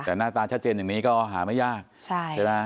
แต่หน้าตาชัดเจนอย่างนี้ก็หาไม่ยากใช่ไหม